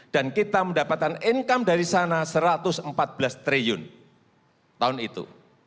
dan kita mendapatkan income dari sana rp satu ratus empat belas triliun tahun itu